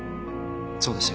そうですよ。